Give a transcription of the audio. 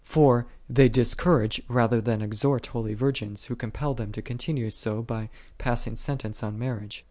For they discourage rather than exhort holy virgins, who compel them to con tinue so by passing sentence on marriage.